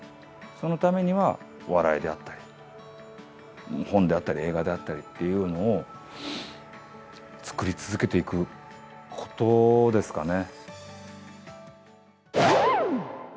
そのためには、お笑いであったり、本であったり映画であったりっていうのを、作り続けていくことですかね。